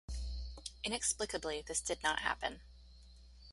Inexplicably, this did not happen.